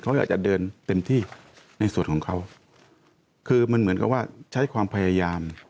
เขาอยากจะเดินเต็มที่ในส่วนของเขาคือมันเหมือนกับว่าใช้ความพยายาม